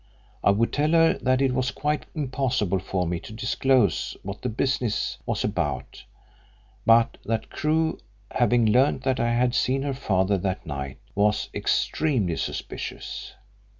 I would tell her that it was quite impossible for me to disclose what the business was about, but that Crewe, having learnt that I had seen her father that night, was extremely suspicious.